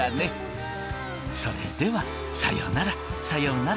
それではさよならさよなら。